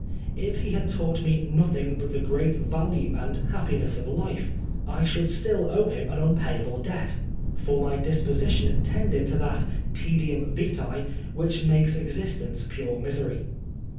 If he had taught me nothing but the great value and happiness of life, 40 Oscar Wilde I should still owe him an unpayable debt, for my disposition tended to that tadium vita which makes existence pure misery.